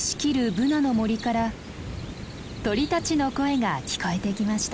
ブナの森から鳥たちの声が聞こえてきました。